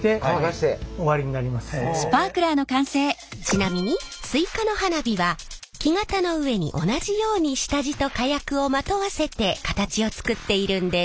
ちなみにスイカの花火は木型の上に同じように下地と火薬をまとわせて形を作っているんです。